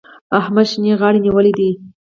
احمد شينې غاړې نيولی دی.